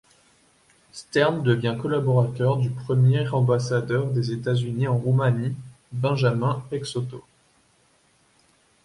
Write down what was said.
Stern devient collaborateur du premier ambassadeur des États-Unis en Roumanie, Benjamin Peixotto.